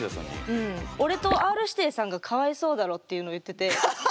俺とＲ−指定さんがかわいそうだろっていうのを言ってて。